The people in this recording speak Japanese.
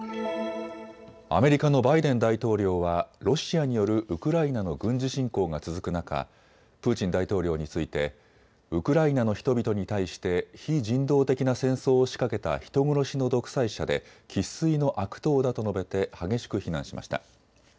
アメリカのバイデン大統領はロシアによるウクライナの軍事侵攻が続く中プーチン大統領についてウクライナの人々に対して非人道的な戦争を仕掛けた人殺しの独裁者で生っ粋の悪党だと述べて激しく非難しました。